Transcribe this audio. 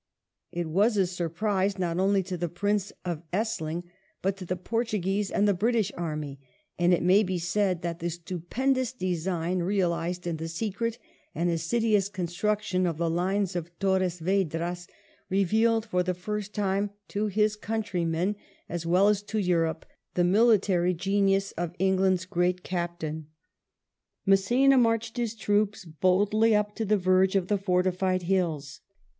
It was a surprise, not only to the Prince of Essling, but to the Portuguese and the British army; and it may be said that the stupendous design realised in the secret and assiduous construction of the Lines of Torres Vedras revealed for the first time, to his own country I40 WELLINGTON men as well as to Europe, the military genius of England's great captain. Mass^na marched his troops boldly up to the verge of the fortified hills.